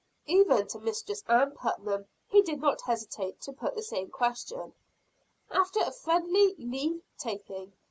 Even to Mistress Ann Putnam he did not hesitate to put the same question, after a friendly leave taking.